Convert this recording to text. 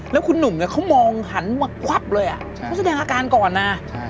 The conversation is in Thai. แล้วคุณหนุ่มเนี่ยเขามองหันมาควับเลยเขาแสดงอาการก่อนนะ